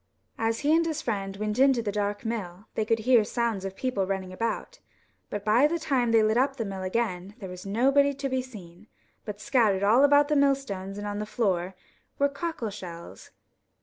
As he and his friend went into the dark mill they could hear sounds of people running about, but by the time they lit up the mill again there was nobody to be seen, but scattered all about the millstones and on the floor were cockle shells.